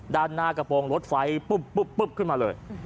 ด้านหน้ากระโปรงรถไฟปุ๊บขึ้นมาเลย